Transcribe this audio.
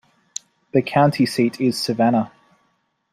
The county seat is Savannah.